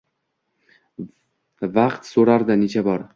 Vaqt so’rardi necha bor.